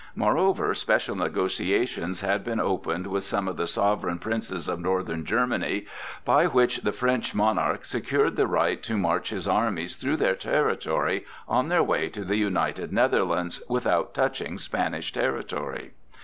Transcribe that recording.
Moreover special negotiations had been opened with some of the sovereign princes of northern Germany by which the French monarch secured the right to march his armies through their territory on their way to the United Netherlands without touching Spanish territory.